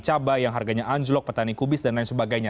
cabai yang harganya anjlok petani kubis dan lain sebagainya